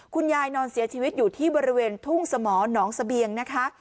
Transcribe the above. คุณยายนอนเสียชีวิตอยู่ที่บริเวณทุ่งสะหมอนหนองเสบียง